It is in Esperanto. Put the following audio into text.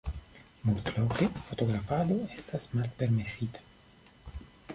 Multloke fotografado estas malpermesita.